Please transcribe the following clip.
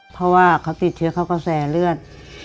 เพราะว่าเขาติดเชื้อเข้ากระแสเลือด